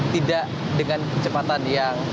tidak dengan kecepatan yang